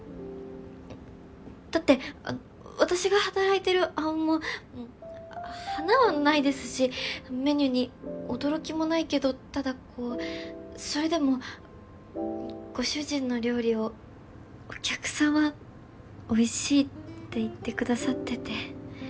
だって私が働いてる阿吽も華はないですしメニューに驚きもないけどただこうそれでもご主人の料理をお客さんはおいしいって言ってくださってて。